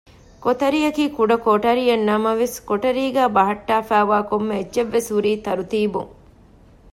ކޮތަރިއަކީ ކުޑަ ކޮޓަރިއެއްނަމަވެސް ކޮޓަރީގައ ބަހައްޓާފައިވާ ކޮންމެ އެއްޗެއްވެސް ހުރީ ތަރުތީބުން